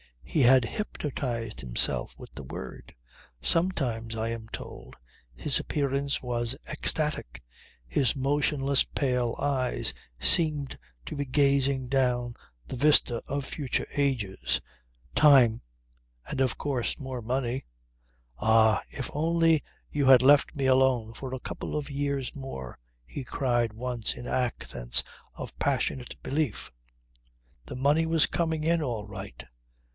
He had hypnotized himself with the word. Sometimes, I am told, his appearance was ecstatic, his motionless pale eyes seemed to be gazing down the vista of future ages. Time and of course, more money. "Ah! If only you had left me alone for a couple of years more," he cried once in accents of passionate belief. "The money was coming in all right."